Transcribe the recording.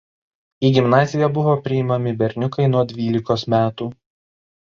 Į gimnaziją buvo priimami berniukai nuo dvylikos metų.